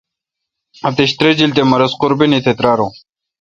اتیش تریجیل تے مہ رس قربینی تہ تریارون۔